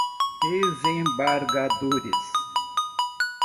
desembargadores